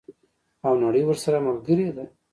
او نړۍ ورسره ملګرې ده.